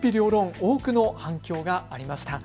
多くの反響がありました。